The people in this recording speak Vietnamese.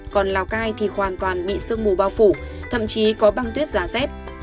còn lào cai thì hoàn toàn bị sương mù bao phủ thậm chí có băng tuyết giả dép